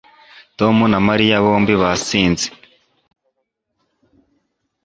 Tom na Mariya bombi basinze